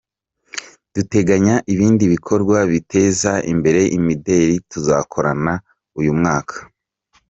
Duteganya ibindi bikorwa biteza imbere imideli tuzakorana uyu mwaka.